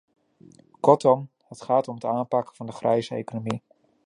Kortom, het gaat om het aanpakken van de grijze economie.